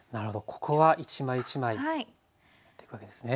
ここは一枚一枚焼いていくわけですね。